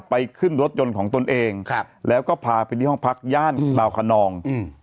ไปขึ้นรถยนต์ของตนเองแล้วก็พาไปที่ห้องพักย่านเบาขนอง